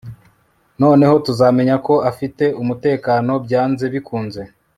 noneho tuzamenya ko afite umutekano byanze bikunze